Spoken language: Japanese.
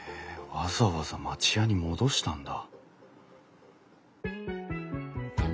わざわざ町家に戻したんだ。